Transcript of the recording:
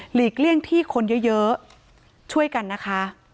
ลีกเลี่ยงที่คนเยอะช่วยกันนะคะ